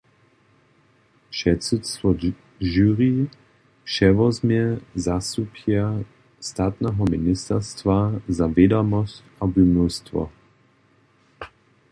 Předsydstwo jury přewozmje zastupjer Statneho ministerstwa za wědomosć a wuměłstwo.